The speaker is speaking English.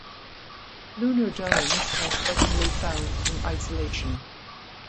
Lunar domes are seldomly found in isolation.